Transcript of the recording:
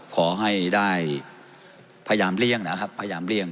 ขอให้ได้พยายามเลี่ยงนะครับพยายามเลี่ยง